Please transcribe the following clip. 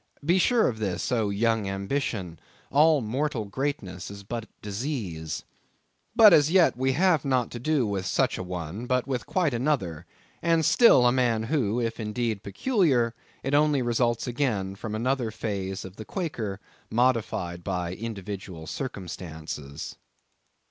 Be sure of this, O young ambition, all mortal greatness is but disease. But, as yet we have not to do with such an one, but with quite another; and still a man, who, if indeed peculiar, it only results again from another phase of the Quaker, modified by individual circumstances.